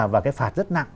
và cái phạt rất nặng